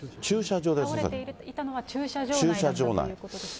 倒れていたのは駐車場内だったということですね。